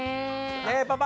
ねえパパ